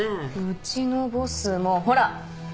うちのボスもほら！